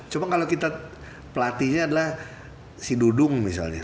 cuman kalo kita pelatihnya adalah si dudung misalnya